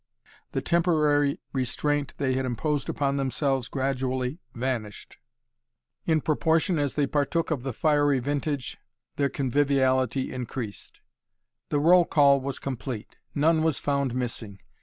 The temporary restraint they had imposed upon themselves gradually vanished. In proportion as they partook of the fiery vintage their conviviality increased. The roll call was complete. None was found missing.